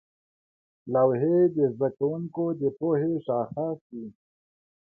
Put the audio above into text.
لوحې د زده کوونکو د پوهې شاخص وې.